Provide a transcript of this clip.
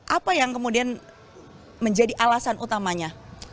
apa yang kemudian menjadi alasan utamanya